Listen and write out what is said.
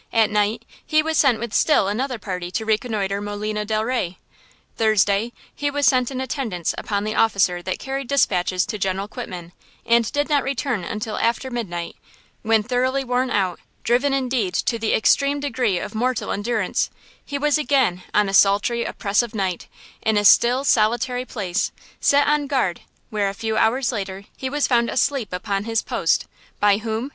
At night he was sent with still another party to reconnoiter Molina del Rey. "Thursday he was sent in attendance upon the officer that carried despatches to General Quitman, and did not return until after midnight, when, thoroughly worn out, driven indeed to the extreme degree of mortal endurance, he was again on a sultry, oppressive night, in a still, solitary place, set on guard where a few hours later he was found asleep upon his post–by whom?